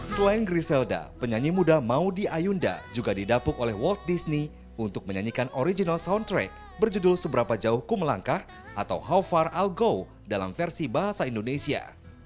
selain griselda penyanyi muda maudie ayunda juga didapuk oleh walt disney untuk menyanyikan original soundtrack berjudul seberapa jauh ku melangkah atau haw far algow dalam versi bahasa indonesia